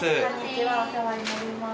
お世話になります。